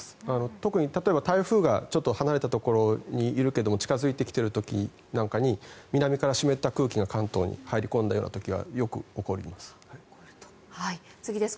特に台風が離れたところにいるけれど近付いてきている時なんかに南から湿った空気が関東に入り込んだ時には次です。